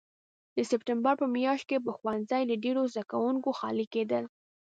د سپټمبر په میاشت کې به ښوونځي له ډېرو زده کوونکو خالي کېدل.